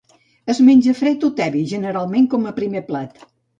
Es menja fred o tebi, generalment com a primer plat.